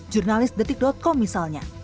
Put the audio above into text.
jurnalis detik com misalnya